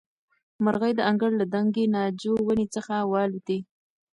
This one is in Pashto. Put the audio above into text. مرغۍ د انګړ له دنګې ناجو ونې څخه والوتې.